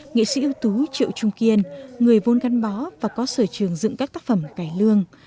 nghệ sĩ ưu tú triệu trung kiên người vô gắn bó và có sở trường dựng các tác phẩm cải lương